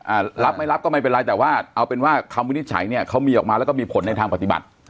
รับไม่รับก็ไม่เป็นไรแต่ว่าเอาเป็นว่าคำวินิจฉัยเนี้ยเขามีออกมาแล้วก็มีผลในทางปฏิบัติ